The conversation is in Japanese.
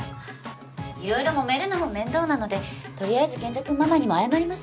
色々もめるのも面倒なので取りあえず健太君ママにも謝ります。